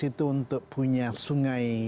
itu untuk punya sungai